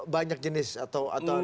banyak jenis atau